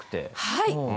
はい。